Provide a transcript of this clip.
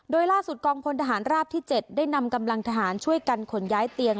โดยล่าสุดกองพลทหารราบที่๗ได้นำกำลังทหารช่วยกันขนย้ายเตียง